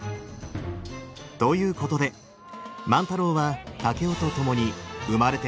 ということで万太郎は竹雄と共に生まれて初めて東京へ。